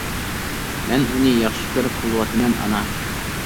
مەن ئۇنى ياخشى كۆرۈپ قېلىۋاتىمەن ئانا.